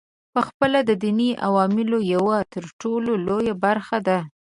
پخپله د دیني علومو یوه ترټولو لویه برخه ده.